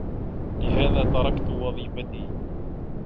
لهذا تركت وظيفتي.